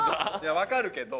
わかるけど。